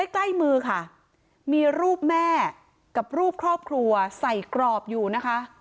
ใกล้มือค่ะมีรูปแม่กับรูปครอบครัวใส่กรอบอยู่นะคะ